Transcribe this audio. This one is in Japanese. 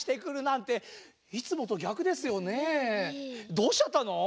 どうしちゃったの？